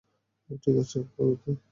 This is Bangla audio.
ঠিক আছে, পরবর্তী।